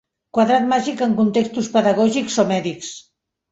Quadrat màgic en contextos pedagògics o mèdics.